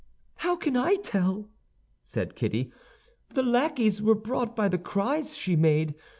"How can I tell!" said Kitty. "The lackeys were brought by the cries she made.